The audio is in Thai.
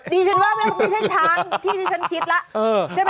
ดีฉันว่าไม่ใช่ช้างที่ฉันคิดละ